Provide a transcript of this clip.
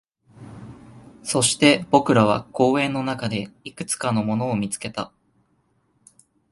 そして、僕らは公園の中でいくつかのものを見つけた